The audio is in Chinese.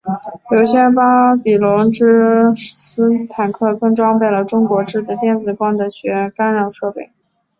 有些巴比伦之狮坦克更装备了中国制的电子光学干扰设备。